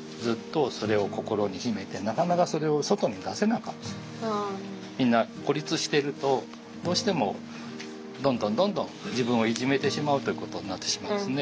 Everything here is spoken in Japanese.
だからみんなはみんな孤立してるとどうしてもどんどんどんどん自分をいじめてしまうということになってしまうんですね。